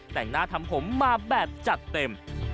แต่งหน้าทำผมมาแบบจัดเต็ม